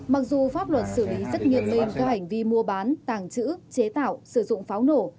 mặc dù pháp luật xử lý rất nghiêm các hành vi mua bán tàng trữ chế tạo sử dụng pháo nổ